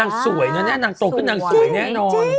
สวยนะเนี่ยนางโตขึ้นนางสวยแน่นอน